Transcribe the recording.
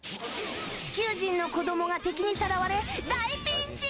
地球人の子供が敵にさらわれ大ピンチ！